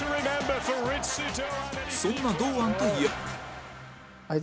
そんな堂安といえば